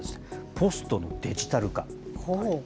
ポストのデジタル化。